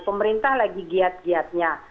pemerintah lagi giat giatnya